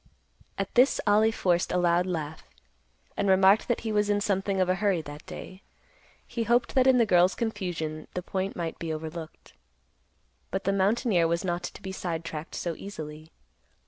At this Ollie forced a loud laugh, and remarked that he was in something of a hurry that day. He hoped that in the girl's confusion the point might be overlooked. But the mountaineer was not to be sidetracked so easily.